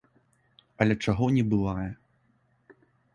Але чаго не бывае!